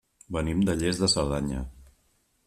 Venim de Lles de Cerdanya.